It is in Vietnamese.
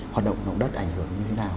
hoạt động động đất ảnh hưởng như thế nào